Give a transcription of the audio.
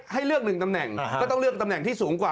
ให้เลือก๑ตำแหน่งก็ต้องเลือกตำแหน่งที่สูงกว่า